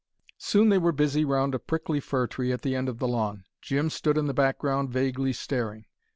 Soon they were busy round a prickly fir tree at the end of the lawn. Jim stood in the background vaguely staring.